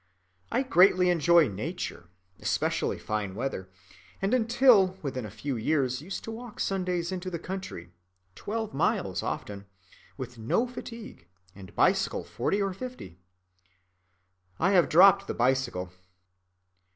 I greatly enjoy nature, especially fine weather, and until within a few years used to walk Sundays into the country, twelve miles often, with no fatigue, and bicycle forty or fifty. I have dropped the bicycle.